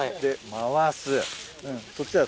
回す。